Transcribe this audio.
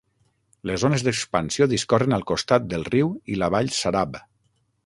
Les zones d'expansió discorren al costat del riu i la vall Sarab.